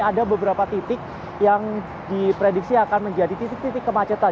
ada beberapa titik yang diprediksi akan menjadi titik titik kemacetan